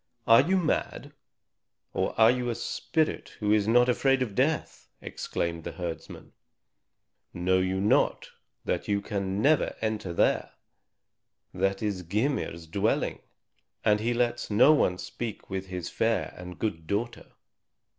"Are you mad, or are you a spirit who is not afraid of death!" exclaimed the herdsman. "Know you not that you can never enter there? That is Gymir's dwelling, and he lets no one speak with his fair and good daughter."